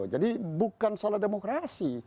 jadi bukan salah demokrasi